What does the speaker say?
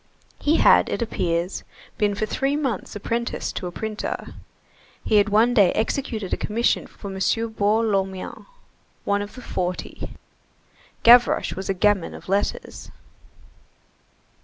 He had, it appears, been for three months apprenticed to a printer. He had one day executed a commission for M. Baour Lormian, one of the Forty. Gavroche was a gamin of letters.